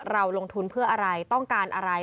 เราลงทุนเพื่ออะไรต้องการอะไร